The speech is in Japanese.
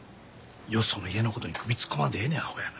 よその家のことに首突っ込まんでええねんアホやな。